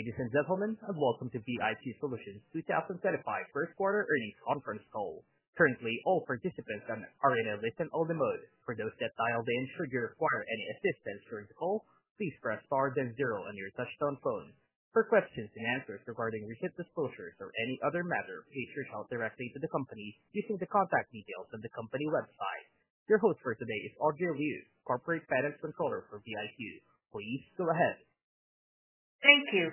Ladies and gentlemen, and welcome to VIQ Solutions 2025 First Quarter Earnings Conference Call. Currently, all participants are in a listen-only mode. For those that dialed in, should you require any assistance during the call, please press star then zero on your touch-tone phone. For questions and answers regarding recent disclosures or any other matter, please reach out directly to the company using the contact details on the company website. Your host for today is Audrey Liu, Corporate Finance Controller for VIQ. Please go ahead. Thank you.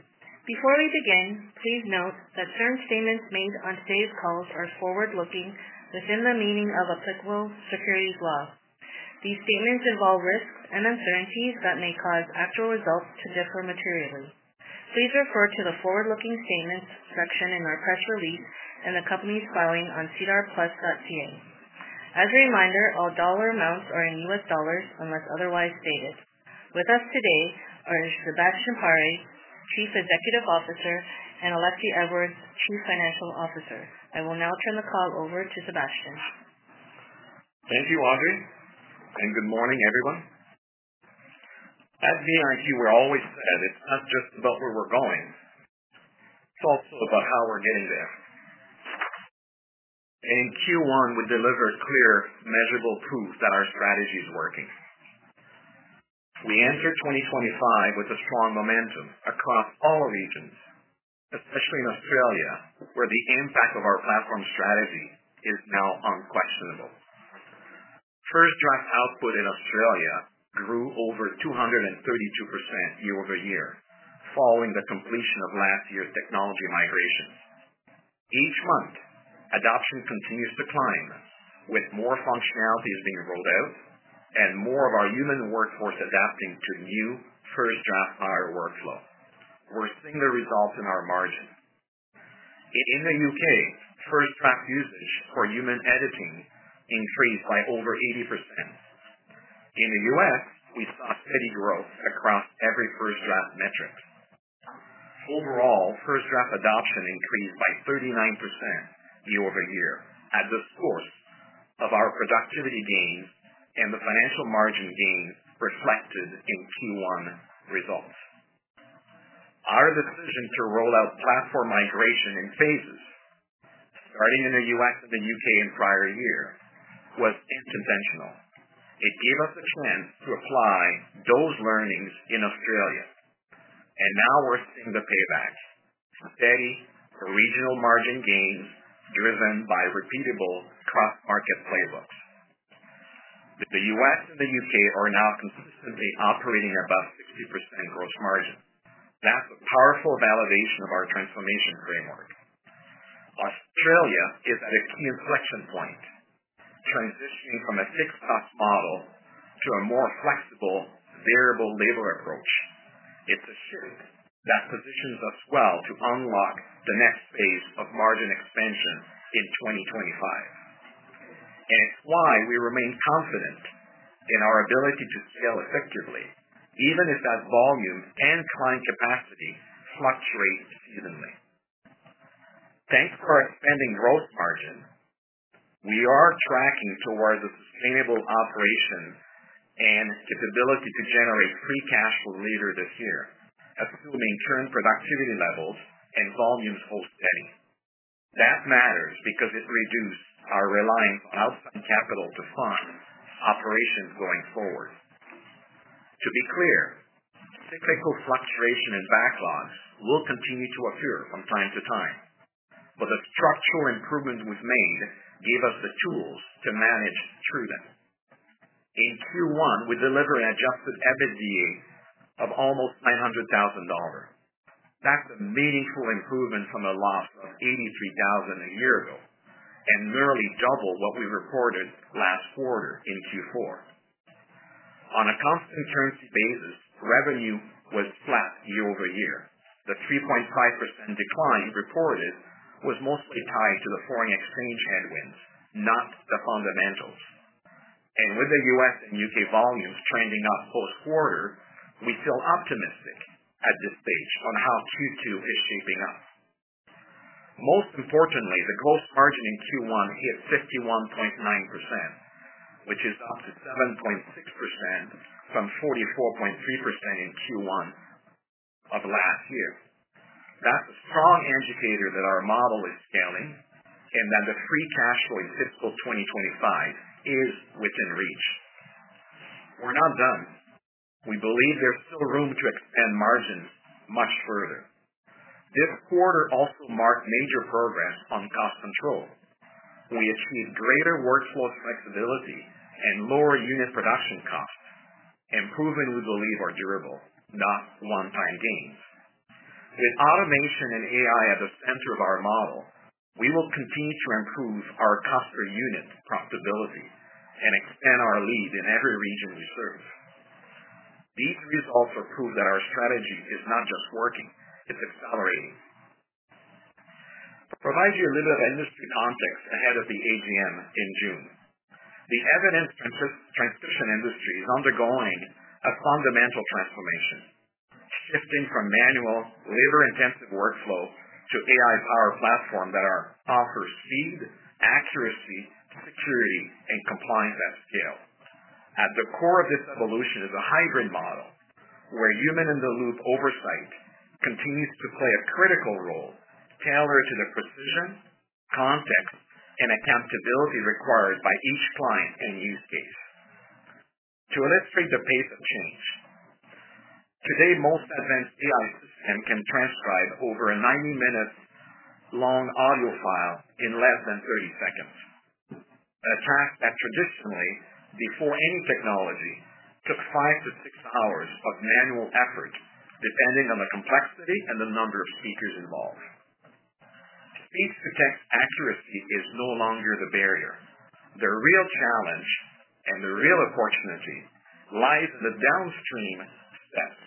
Before we begin, please note that certain statements made on today's calls are forward-looking within the meaning of applicable securities law. These statements involve risks and uncertainties that may cause actual results to differ materially. Please refer to the forward-looking statements section in our press release and the company's filing on sedarplus.ca. As a reminder, all dollar amounts are in US dollars unless otherwise stated. With us today are Sebastien Paré, Chief Executive Officer, and Alexie Edwards, Chief Financial Officer. I will now turn the call over to Sebastien. Thank you, Audrey. Good morning, everyone. At VIQ, we're always ahead. It's not just about where we're going. It's also about how we're getting there. In Q1, we delivered clear, measurable proof that our strategy is working. We entered 2025 with strong momentum across all regions, especially in Australia, where the impact of our platform strategy is now unquestionable. First Draft output in Australia grew over 232% year-over-year, following the completion of last year's technology migration. Each month, adoption continues to climb, with more functionalities being rolled out and more of our human workforce adapting to new First Draft hire workflow. We're seeing the results in our margin. In the U.K., First Draft usage for human editing increased by over 80%. In the U.S., we saw steady growth across every First Draft metric. Overall, First Draft adoption increased by 39% year-over-year, at the source of our productivity gains and the financial margin gains reflected in Q1 results. Our decision to roll out platform migration in phases, starting in the U.S. and the U.K. in the prior year, was intentional. It gave us a chance to apply those learnings in Australia. We are now seeing the payback: steady regional margin gains driven by repeatable cross-market playbooks. The U.S. and the U.K. are now consistently operating above 60% gross margin. That is a powerful validation of our transformation framework. Australia is at a key inflection point, transitioning from a fixed-cost model to a more flexible, variable-labor approach. It is a shift that positions us well to unlock the next phase of margin expansion in 2025. It is why we remain confident in our ability to scale effectively, even if that volume and client capacity fluctuate seasonally. Thanks for expanding gross margin. We are tracking towards a sustainable operation and capability to generate free cash later this year, assuming current productivity levels and volumes hold steady. That matters because it reduces our reliance on outside capital to fund operations going forward. To be clear, cyclical fluctuation and backlogs will continue to occur from time to time, but the structural improvements we have made give us the tools to manage through them. In Q1, we delivered an adjusted EBITDA of almost $900,000. That is a meaningful improvement from a loss of $83,000 a year ago and nearly double what we reported last quarter in Q4. On a constant currency basis, revenue was flat year-over-year. The 3.5% decline reported was mostly tied to the foreign exchange headwinds, not the fundamentals. With the U.S. and U.K. volumes trending up post-quarter, we feel optimistic at this stage on how Q2 is shaping up. Most importantly, the gross margin in Q1 hit 51.9%, which is up 7.6% from 44.3% in Q1 of last year. That is a strong indicator that our model is scaling and that the free cash flow in fiscal 2025 is within reach. We are not done. We believe there is still room to expand margins much further. This quarter also marked major progress on cost control. We achieved greater workflow flexibility and lower unit production costs, improvements we believe are durable, not one-time gains. With automation and AI at the center of our model, we will continue to improve our cost per unit profitability and expand our lead in every region we serve. These results will prove that our strategy is not just working, it's accelerating. To provide you a little bit of industry context ahead of the AGM in June, the evidence transition industry is undergoing a fundamental transformation, shifting from manual, labor-intensive workflows to AI-powered platforms that offer speed, accuracy, security, and compliance at scale. At the core of this evolution is a hybrid model where human-in-the-loop oversight continues to play a critical role tailored to the precision, context, and accountability required by each client and use case. To illustrate the pace of change, today, most advanced AI systems can transcribe over a 90-minute long audio file in less than 30 seconds. A task that traditionally, before any technology, took five to six hours of manual effort, depending on the complexity and the number of speakers involved. Speech-to-text accuracy is no longer the barrier. The real challenge and the real opportunity lie in the downstream steps: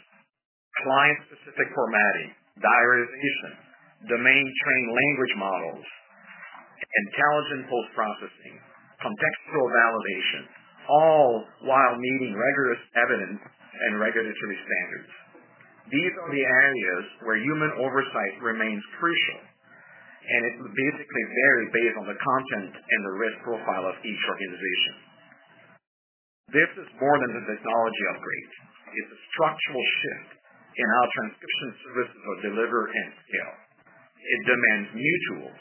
client-specific formatting, diarization, domain-trained language models, intelligent post-processing, contextual validation, all while meeting rigorous evidence and regulatory standards. These are the areas where human oversight remains crucial, and it will basically vary based on the content and the risk profile of each organization. This is more than a technology upgrade. It is a structural shift in how transcription services are delivered and scaled. It demands new tools,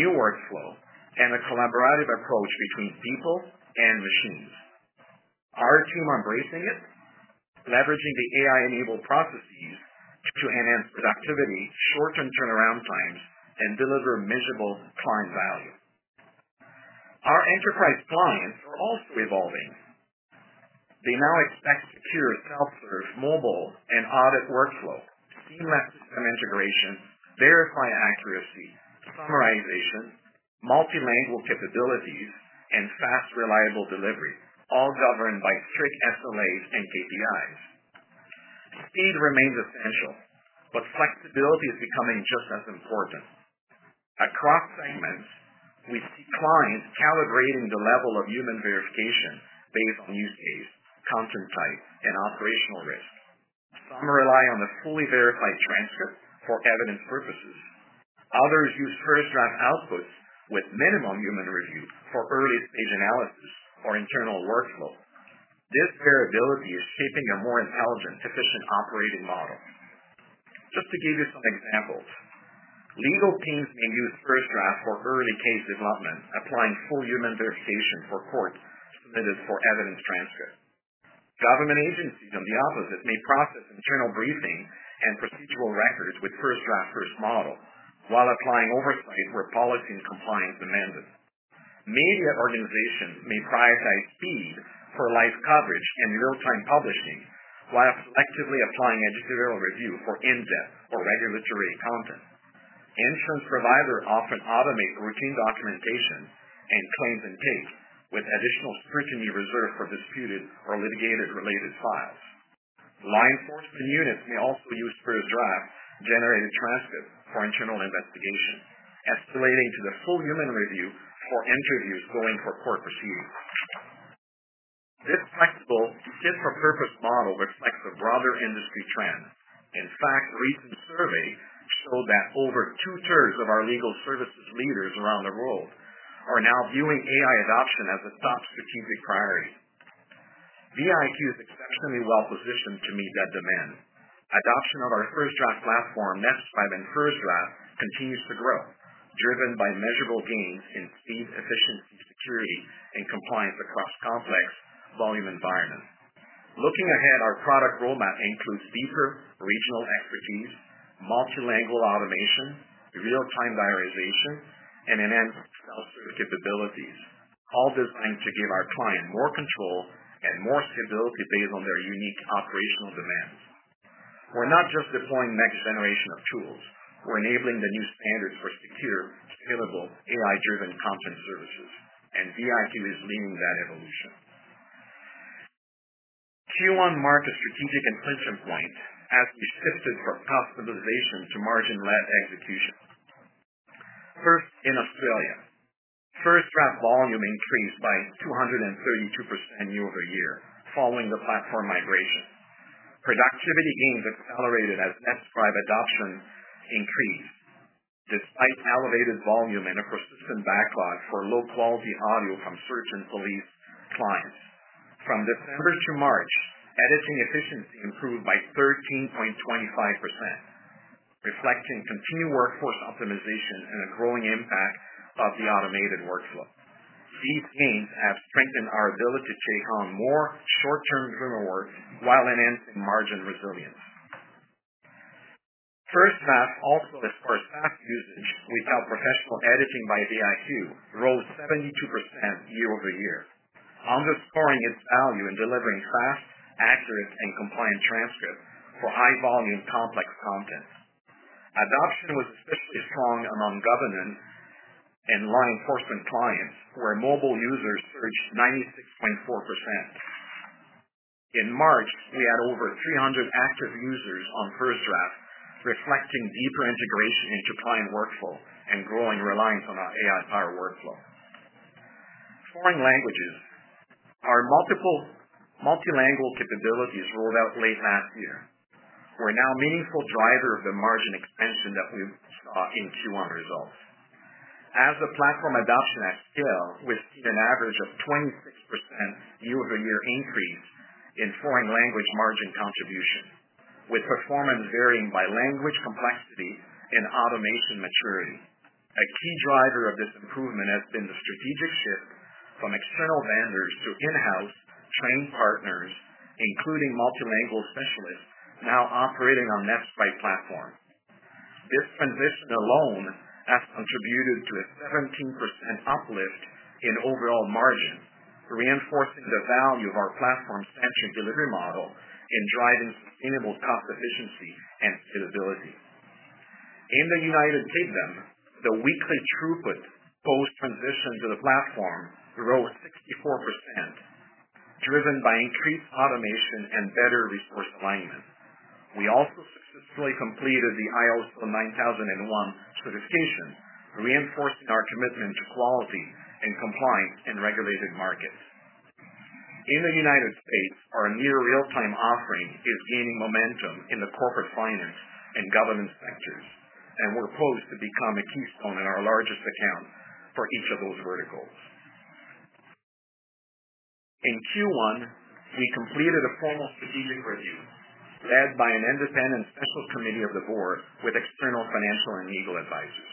new workflows, and a collaborative approach between people and machines. Our team is embracing it, leveraging the AI-enabled processes to enhance productivity, shorten turnaround times, and deliver measurable client value. Our enterprise clients are also evolving. They now expect secure self-service mobile and audit workflows, seamless system integration, verify accuracy, summarization, multilingual capabilities, and fast, reliable delivery, all governed by strict SLAs and KPIs. Speed remains essential, but flexibility is becoming just as important. Across segments, we see clients calibrating the level of human verification based on use case, content type, and operational risk. Some rely on a fully verified transcript for evidence purposes. Others use First Draft outputs with minimum human review for early-stage analysis or internal workflow. This variability is shaping a more intelligent, efficient operating model. Just to give you some examples, legal teams may use First Draft for early case development, applying full human verification for courts submitted for evidence transcripts. Government agencies, on the opposite, may process internal briefing and procedural records with First Draft-first model while applying oversight where policy and compliance demand it. Media organizations may prioritize speed for live coverage and real-time publishing while selectively applying editorial review for in-depth or regulatory content. Insurance providers often automate routine documentation and claims intake with additional scrutiny reserved for disputed or litigated-related files. Law enforcement units may also use First Draft-generated transcripts for internal investigation, escalating to the full human review for interviews going for court proceedings. This flexible, fit-for-purpose model reflects a broader industry trend. In fact, a recent survey showed that over two-thirds of our legal services leaders around the world are now viewing AI adoption as a top strategic priority. VIQ is exceptionally well-positioned to meet that demand. Adoption of our First Draft platform, NetScribe and First Draft, continues to grow, driven by measurable gains in speed, efficiency, security, and compliance across complex volume environments. Looking ahead, our product roadmap includes deeper regional expertise, multilingual automation, real-time diarization, and enhanced self-service capabilities, all designed to give our clients more control and more stability based on their unique operational demands. We're not just deploying next-generation tools; we're enabling the new standards for secure, scalable, AI-driven content services, and VIQ is leading that evolution. Q1 marked a strategic inflection point as we shifted from customization to margin-led execution. First in Australia, First Draft volume increased by 232% year-over-year following the platform migration. Productivity gains accelerated as NetScribe adoption increased. Despite elevated volume and a persistent backlog for low-quality audio from certain police clients, from December to March, editing efficiency improved by 13.25%, reflecting continued workforce optimization and a growing impact of the automated workflow. These gains have strengthened our ability to take on more short-term human work while enhancing margin resilience. First Draft also, as far as fast usage, we felt professional editing by VIQ rose 72% year-over-year, underscoring its value in delivering fast, accurate, and compliant transcripts for high-volume, complex content. Adoption was especially strong among governance and law enforcement clients, where mobile users surged 96.4%. In March, we had over 300 active users on First Draft, reflecting deeper integration into client workflow and growing reliance on our AI-powered workflow. Foreign languages, our multilingual capabilities rolled out late last year, were now a meaningful driver of the margin expansion that we saw in Q1 results. As platform adoption at scale, we've seen an average of 26% year-over-year increase in foreign language margin contribution, with performance varying by language complexity and automation maturity. A key driver of this improvement has been the strategic shift from external vendors to in-house trained partners, including multilingual specialists now operating on NetScribe platforms. This transition alone has contributed to a 17% uplift in overall margin, reinforcing the value of our platform-centric delivery model in driving sustainable cost efficiency and scalability. In the U.K., the weekly throughput post-transition to the platform rose 64%, driven by increased automation and better resource alignment. We also successfully completed the ISO 9001 certification, reinforcing our commitment to quality and compliance in regulated markets. In the United States, our near real-time offering is gaining momentum in the corporate finance and governance sectors, and we're poised to become a keystone in our largest account for each of those verticals. In Q1, we completed a formal strategic review led by an independent special committee of the board with external financial and legal advisors.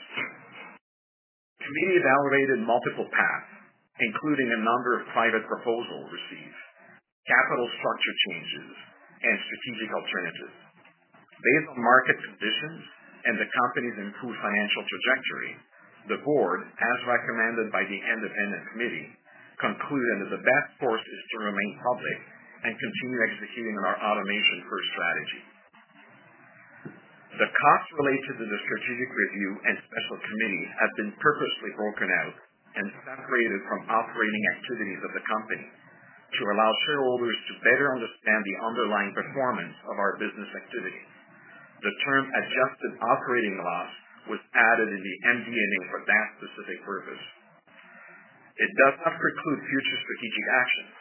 The committee evaluated multiple paths, including a number of private proposals received, capital structure changes, and strategic alternatives. Based on market conditions and the company's improved financial trajectory, the board, as recommended by the independent committee, concluded that the best course is to remain public and continue executing our automation-first strategy. The costs related to the strategic review and special committee have been purposely broken out and separated from operating activities of the company to allow shareholders to better understand the underlying performance of our business activity. The term "adjusted operating loss" was added in the MD&A for that specific purpose. It does not preclude future strategic actions.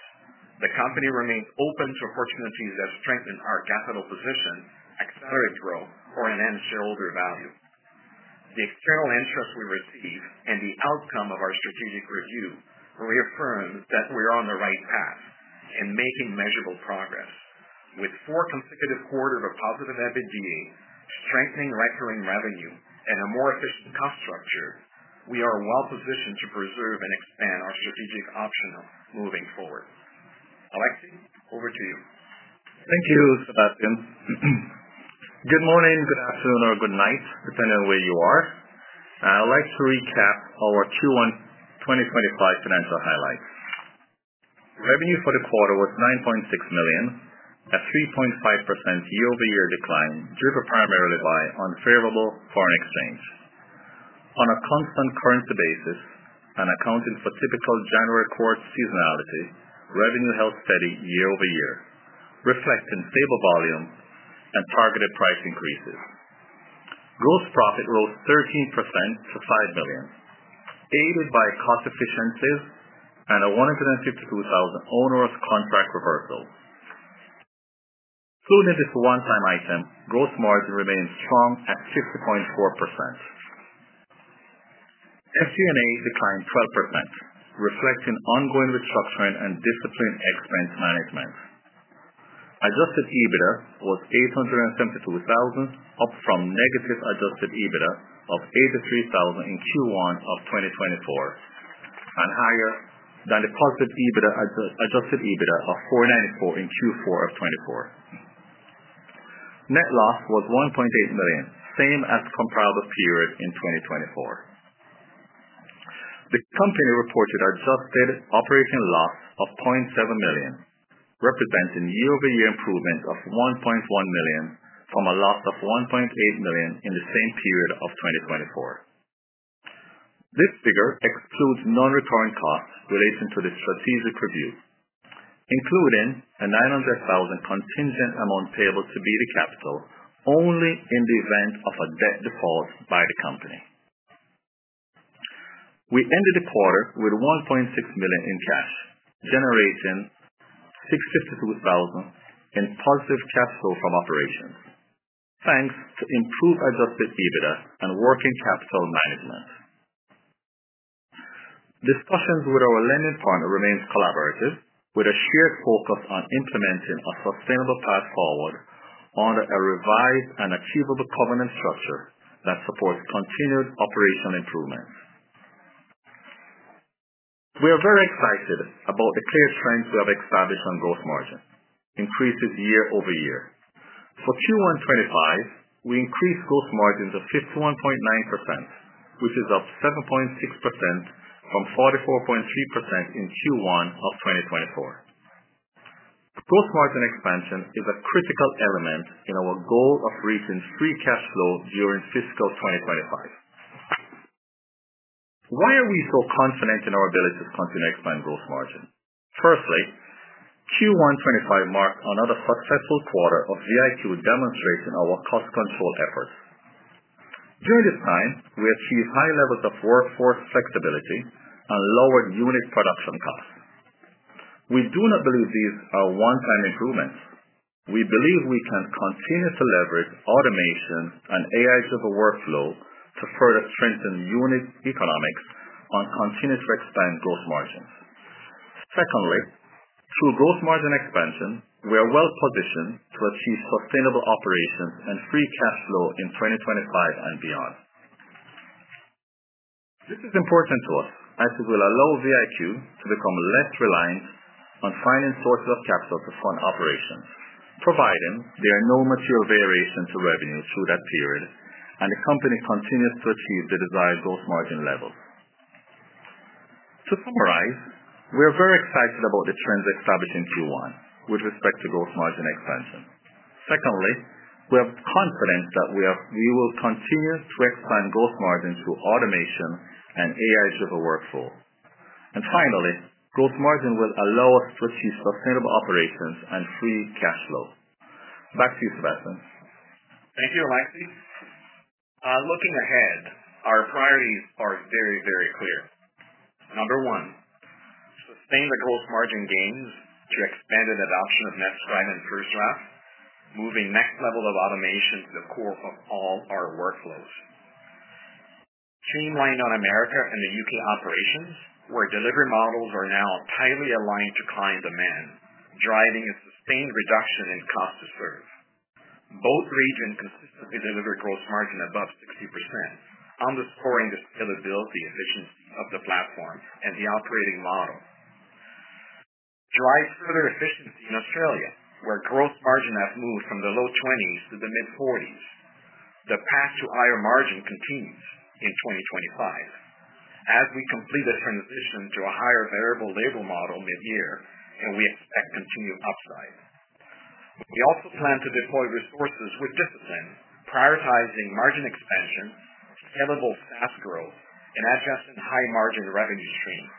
The company remains open to opportunities that strengthen our capital position, accelerate growth, or enhance shareholder value. The external interest we receive and the outcome of our strategic review reaffirm that we are on the right path and making measurable progress. With four consecutive quarters of positive EBITDA, strengthening recurring revenue, and a more efficient cost structure, we are well-positioned to preserve and expand our strategic option moving forward. Alexie, over to you. Thank you, Sebastien. Good morning, good afternoon, or good night, depending on where you are. I'd like to recap our Q1 2025 financial highlights. Revenue for the quarter was $9.6 million, a 3.5% year-over-year decline, driven primarily by unfavorable foreign exchange. On a constant currency basis and accounting for typical January quarter seasonality, revenue held steady year-over-year, reflecting stable volume and targeted price increases. Gross profit rose 13% to $5 million, aided by cost efficiencies and a $152,000 owner's contract reversal. Excluding this one-time item, gross margin remained strong at 50.4%. SG&A declined 12%, reflecting ongoing restructuring and disciplined expense management. Adjusted EBITDA was $872,000, up from negative adjusted EBITDA of $83,000 in Q1 of 2024 and higher than the positive adjusted EBITDA of $494,000 in Q4 of 2024. Net loss was $1.8 million, same as comparable period in 2024. The company reported adjusted operating loss of $0.7 million, representing year-over-year improvement of $1.1 million from a loss of $1.8 million in the same period of 2024. This figure excludes non-recurring costs relating to the strategic review, including a $900,000 contingent amount payable to BD Capital only in the event of a debt default by the company. We ended the quarter with $1.6 million in cash, generating $652,000 in positive cash flow from operations, thanks to improved adjusted EBITDA and working capital management. Discussions with our lending partner remain collaborative, with a shared focus on implementing a sustainable path forward under a revised and achievable covenant structure that supports continued operational improvements. We are very excited about the clear trends we have established on gross margin increases year-over-year. For Q1 2025, we increased gross margins of 51.9%, which is up 7.6% from 44.3% in Q1 of 2024. Gross margin expansion is a critical element in our goal of reaching free cash flow during fiscal 2025. Why are we so confident in our ability to continue to expand gross margin? Firstly, Q1 2025 marked another successful quarter of VIQ demonstrating our cost control efforts. During this time, we achieved high levels of workforce flexibility and lowered unit production costs. We do not believe these are one-time improvements. We believe we can continue to leverage automation and AI-driven workflow to further strengthen unit economics and continue to expand gross margins. Secondly, through gross margin expansion, we are well-positioned to achieve sustainable operations and free cash flow in 2025 and beyond. This is important to us as it will allow VIQ to become less reliant on finance sources of capital to fund operations, providing there are no material variations to revenue through that period and the company continues to achieve the desired gross margin levels. To summarize, we are very excited about the trends established in Q1 with respect to gross margin expansion. Secondly, we are confident that we will continue to expand gross margin through automation and AI-driven workflow. Finally, gross margin will allow us to achieve sustainable operations and free cash flow. Back to you, Sebastien. Thank you, Alexie. Looking ahead, our priorities are very, very clear. Number one, sustain the gross margin gains through expanded adoption of NetScribe and First Draft, moving next level of automation to the core of all our workflows. Streamlined on America and the U.K. operations, where delivery models are now tightly aligned to client demand, driving a sustained reduction in cost to serve. Both regions consistently deliver gross margin above 60%, underscoring the scalability, efficiency of the platform and the operating model. Drive further efficiency in Australia, where gross margin has moved from the low 20s to the mid 40s. The path to higher margin continues in 2025 as we complete the transition to a higher variable label model mid-year, and we expect continued upside. We also plan to deploy resources with discipline, prioritizing margin expansion, scalable SaaS growth, and adjusting high margin revenue streams.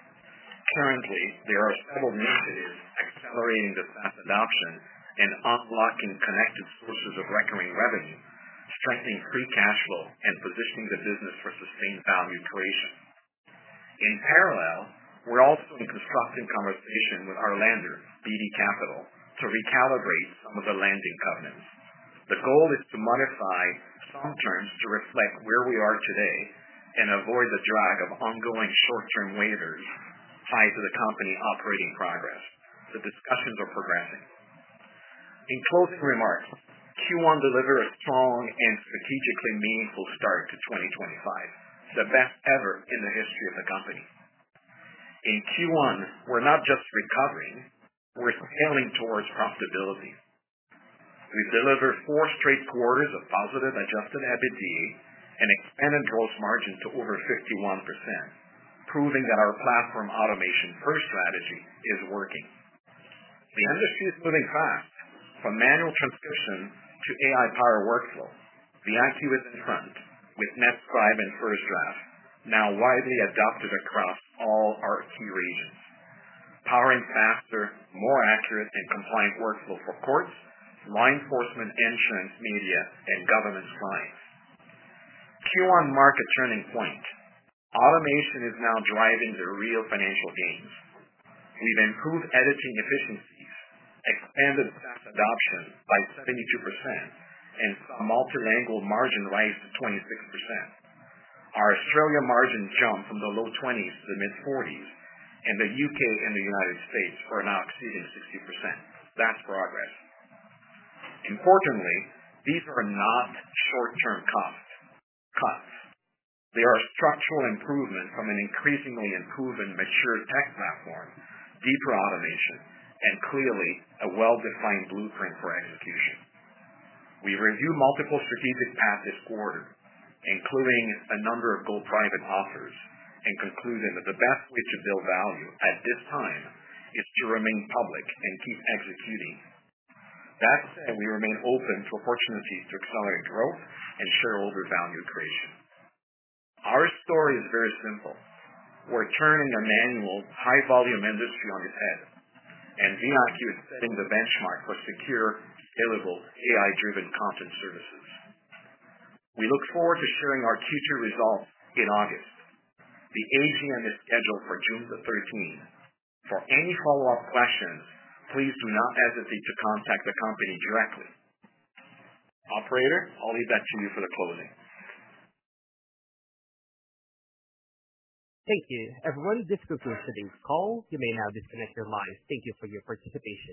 Currently, there are several initiatives accelerating the SaaS adoption and unlocking connected sources of recurring revenue, strengthening free cash flow, and positioning the business for sustained value creation. In parallel, we're also in constructive conversation with our lender, BD Capital, to recalibrate some of the lending covenants. The goal is to modify some terms to reflect where we are today and avoid the drag of ongoing short-term waivers tied to the company operating progress. The discussions are progressing. In closing remarks, Q1 delivered a strong and strategically meaningful start to 2025, the best ever in the history of the company. In Q1, we're not just recovering; we're scaling towards profitability. We've delivered four straight quarters of positive adjusted EBITDA and expanded gross margin to over 51%, proving that our platform automation-first strategy is working. The industry is moving fast from manual transcription to AI-powered workflow. VIQ is in front with NetScribe and First Draft, now widely adopted across all our key regions, powering faster, more accurate, and compliant workflow for courts, law enforcement, insurance, media, and government clients. Q1 marked a turning point. Automation is now driving the real financial gains. We've improved editing efficiencies, expanded SaaS adoption by 72%, and saw multilingual margin rise to 26%. Our Australia margin jumped from the low 20s to the mid 40s, and the U.K. and the United States. are now exceeding 60%. That's progress. Importantly, these are not short-term cost cuts. They are structural improvements from an increasingly improved and mature tech platform, deeper automation, and clearly a well-defined blueprint for execution. We review multiple strategic paths this quarter, including a number of gold private offers, and concluded that the best way to build value at this time is to remain public and keep executing. That said, we remain open to opportunities to accelerate growth and shareholder value creation. Our story is very simple. We're turning a manual, high-volume industry on its head, and VIQ is setting the benchmark for secure, scalable, AI-driven content services. We look forward to sharing our Q2 results in August. The AGM is scheduled for June the 13th. For any follow-up questions, please do not hesitate to contact the company directly. Operator, I'll leave that to you for the closing. Thank you. Everyone, this concludes today's call. You may now disconnect your lines. Thank you for your participation.